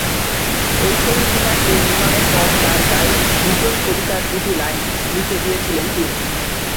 ওই শহীদ মিনারটি নির্মাণের পর তার গায়ে বিদ্রোহী কবিতার দুটি লাইন লিখে দিয়েছিলেন তিনি।